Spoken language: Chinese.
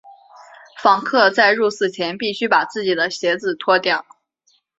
访客在入寺前必须把自己的鞋子脱掉。